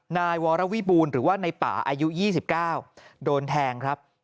นายวรวิบูรณ์หรือว่าในป่าอายุ๒๙โดนแทงครับ